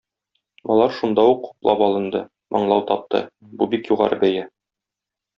Алар шунда ук хуплап алынды, аңлау тапты, бу бик югары бәя.